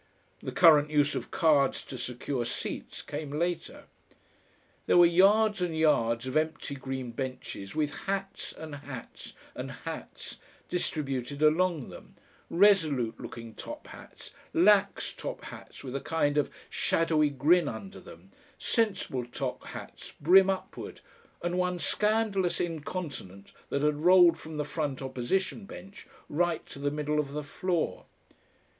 The current use of cards to secure seats came later. There were yards and yards of empty green benches with hats and hats and hats distributed along them, resolute looking top hats, lax top hats with a kind of shadowy grin under them, sensible top bats brim upward, and one scandalous incontinent that had rolled from the front Opposition bench right to the middle of the floor.